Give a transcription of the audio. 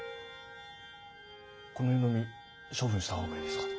この湯飲み処分した方がいいですか？